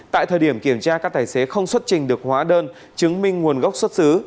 tại thời điểm kiểm tra các tài xế không xuất trình được hóa đơn chứng minh nguồn gốc xuất xứ